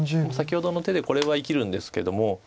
先ほどの手でこれは生きるんですけども。